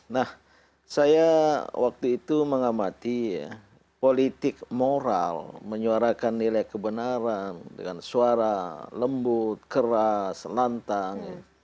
nah saya waktu itu mengamati politik moral menyuarakan nilai kebenaran dengan suara lembut keras lantang